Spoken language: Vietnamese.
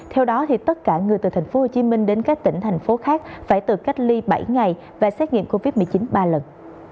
theo đó tất cả người từ tp hcm đến các tỉnh thành phố khác phải tự cách ly bảy ngày và xét nghiệm covid một mươi chín ba lần